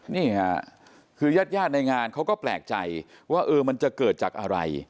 นี่ค่ะคือยาดในงานเขาก็แปลกใจว่าเออมันจะเกิดจากอะไร